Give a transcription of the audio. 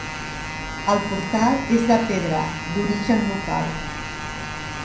El portal és de pedra d'origen local.